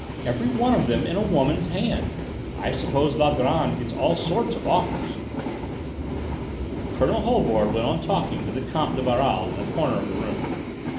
Every one of them in a woman's hand! I suppose Valgrand gets all sorts of offers?" Colonel Holbord went on talking to the Comte de Baral in a corner of the room.